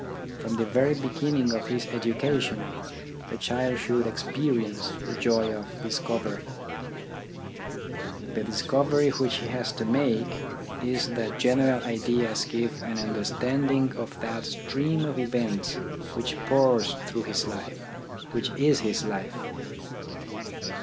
From the very beginning of his education, the child should experience the joy of discovery. The discovery which he has 6 THE ORGANISATION OF THOUGHT to make, is that general ideas give an under standing of that stream of events which pours through his life, which is his life.